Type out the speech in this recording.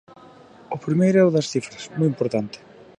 O primeiro é o das cifras, moi importante.